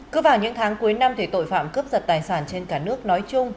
cứ vào những tháng cuối năm thì tội phạm cướp giật tài sản trên cả nước nói chung